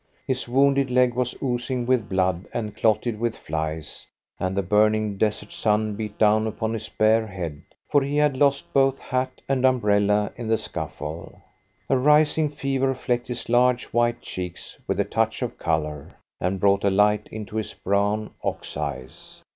His wounded leg was oozing with blood and clotted with flies, and the burning desert sun beat down upon his bare head, for he had lost both hat and umbrella in the scuffle. A rising fever flecked his large, white cheeks with a touch of colour, and brought a light into his brown ox eyes.